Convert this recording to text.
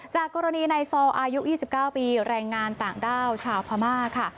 จากกรณีในซออายุ๒๙ปีแรงงานต่างด้าวชาวพม่าค่ะ